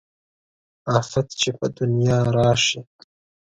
افت چې په دنيا راشي